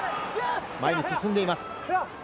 前に進んでいます。